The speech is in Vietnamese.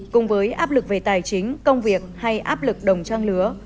cùng với áp lực về tài chính công việc hay áp lực đồng trang lứa